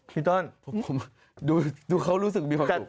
พี่ต้นผมดูเขารู้สึกมีความใจ